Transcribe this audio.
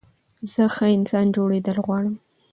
زه ښه انسان جوړېدل غواړم.